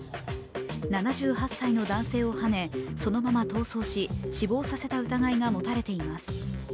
７８歳の男性をはねそのまま闘争し、死亡させた疑いが持たれています。